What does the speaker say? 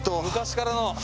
昔からの。